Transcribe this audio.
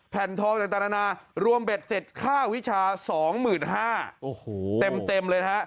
แผ่นทองจังตรนารวมเบ็ดเสร็จค่าวิชา๒๕๐๐๐บาทเต็มเลยฮะ